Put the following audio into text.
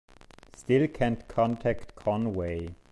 Still can't contact Conway.